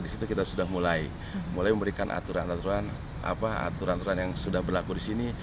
di situ kita sudah mulai memberikan aturan aturan yang sudah berlaku di sini